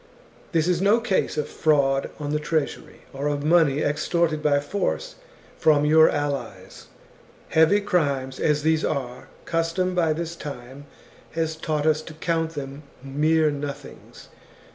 This is no case of fraud on the treasury, or of money extorted by force from your allies. Heavy crimes as these are, custom by this time has taught us to count them mere nothings.